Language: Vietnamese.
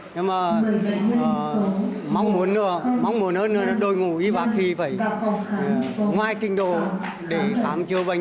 nhưng mà mong muốn hơn nữa là đội ngũ y bác sĩ phải ngoài trình độ để khám chữa bệnh